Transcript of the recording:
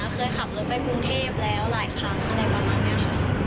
เคยขับรถไปกรุงเทพแล้วหลายครั้งอะไรประมาณนี้ค่ะ